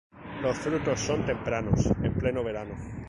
Los frutos son tempranos en pleno verano.